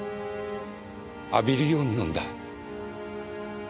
浴びるように飲んだ。